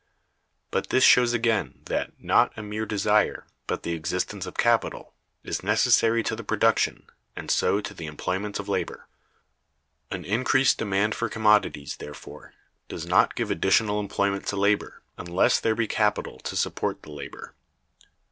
But this shows again that, not a mere desire, but the existence of capital, is necessary to the production, and so to the employment of labor. An increased demand for commodities, therefore, does not give additional employment to labor, unless there be capital to support the labor.